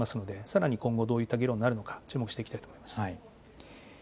きょうも議論、続くのでさらに今後どういった議論になるのか注目していきたいと思います。